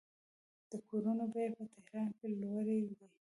د کورونو بیې په تهران کې لوړې دي.